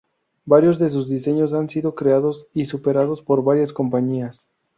Varios de sus diseños han sido creados y superados por varias compañías.